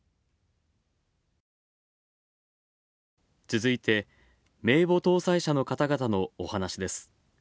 続いて、名簿登載者の方々の、お話です。